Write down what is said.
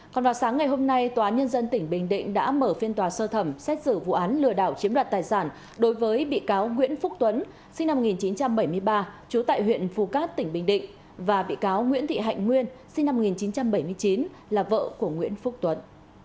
còn vào sáng ngày hôm nay tòa nhân dân tỉnh bình định đã mở phiên tòa sơ thẩm xét xử vụ án lừa đảo chiếm đoạt tài sản đối với bị cáo nguyễn phúc tuấn sinh năm một nghìn chín trăm bảy mươi ba trú tại huyện phù cát tỉnh bình định và bị cáo nguyễn thị hạnh nguyên sinh năm một nghìn chín trăm bảy mươi chín là vợ của nguyễn phúc tuấn